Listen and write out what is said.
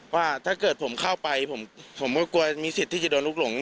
ว่าถ้าเกิดผมเข้าไปผมก็กลัวมีสิทธิ์ที่จะโดนลูกหลง